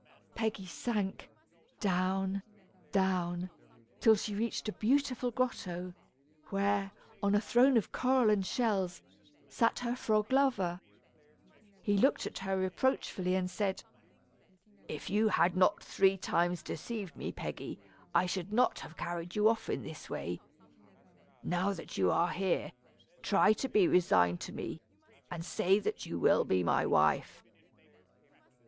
Peggy sank down, down until she reached a beautiful grotto, where, on a throne of coral and shells, sat her frog lover. He looked at her reproachfully, and said: "If you had not three times deceived me, Peggy, I should not have carried you off in this way. Now that you are here, try to be resigned to me, and say that you will be my wife."